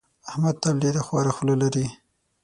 احمد تل ډېره خوره خوله لري.